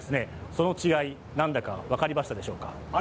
その違い、何だか分かりましたでしょうか？